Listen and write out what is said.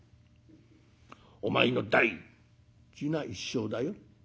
お前の大事な一生だよ。